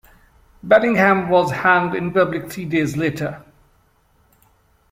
Bellingham was hanged in public three days later.